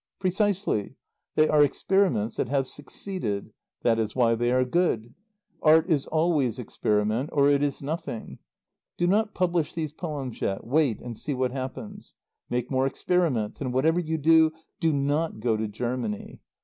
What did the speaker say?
"Precisely. They are experiments that have succeeded. That is why they are good. Art is always experiment, or it is nothing. Do not publish these poems yet. Wait and see what happens. Make more experiments. And whatever you do, do not go to Germany.